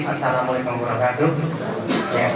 assalamu'alaikum warahmatullahi wabarakatuh